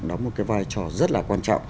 đó là một cái vai trò rất là quan trọng